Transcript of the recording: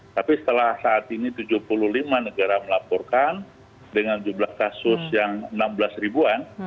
tapi setelah saat ini tujuh puluh lima negara melaporkan dengan jumlah kasus yang enam belas ribuan